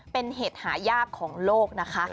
เป็นเห็ดหายากของโลกนะคะ